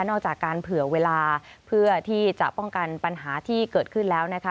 จากการเผื่อเวลาเพื่อที่จะป้องกันปัญหาที่เกิดขึ้นแล้วนะคะ